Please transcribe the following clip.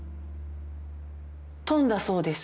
飛んだそうです。